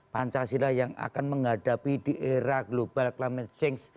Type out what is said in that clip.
pancasila yang akan menghadapi di era global climate change